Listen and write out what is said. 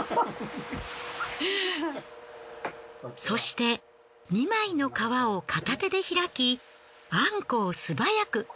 そして２枚の皮を片手で開きあんこを素早く。